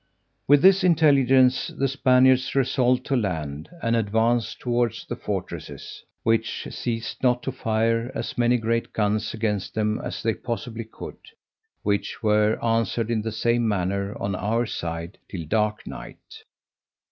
With this intelligence, the Spaniards resolved to land, and advance towards the fortresses, which ceased not to fire as many great guns against them as they possibly could; which were answered in the same manner on our side, till dark night.